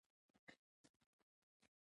هغې د سفر تر سیوري لاندې د مینې کتاب ولوست.